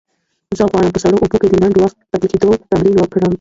زه غواړم په سړو اوبو کې د لنډ وخت پاتې کېدو تمرین وکړم.